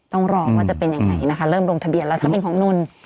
ต้องรอว่าจะเป็นยังไงนะคะเริ่มลงทะเบียนแล้วถ้าเป็นของนน